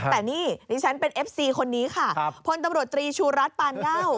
แต่นี่ดิฉันเป็นเอฟซีคนนี้ค่ะพลตำรวจตรีชูรัฐปานเง่า